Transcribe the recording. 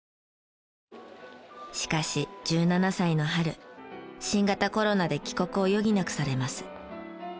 しかし１７歳の春新型コロナで帰国を余儀なくされます。